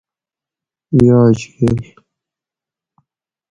یاجگل